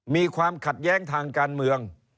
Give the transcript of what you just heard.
มีความขัดแย้งทางการเมือง